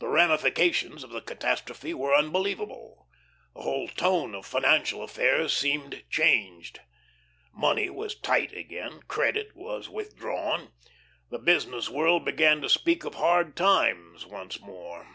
The ramifications of the catastrophe were unbelievable. The whole tone of financial affairs seemed changed. Money was "tight" again, credit was withdrawn. The business world began to speak of hard times, once more.